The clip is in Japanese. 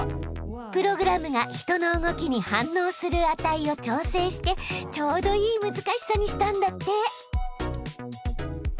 プログラムが人の動きに反応する値を調整してちょうどいい難しさにしたんだって。